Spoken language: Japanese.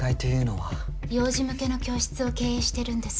幼児向けの教室を経営してるんです。